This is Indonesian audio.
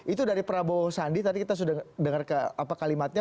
itu dari prabowo sandi tadi kita sudah dengar kalimatnya